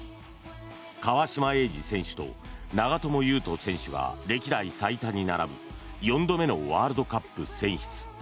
川島永嗣選手と長友佑都選手が歴代最多に並ぶ４度目のワールドカップ選出。